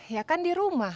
ya kan di rumah